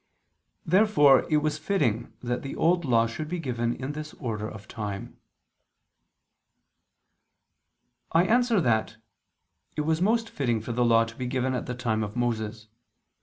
Therefore it was fitting that the Old Law should be given in this order of time. I answer that, It was most fitting for the Law to be given at the time of Moses.